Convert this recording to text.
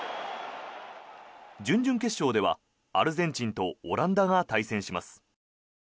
準々決勝ではアルゼンチンとオランダが対戦します。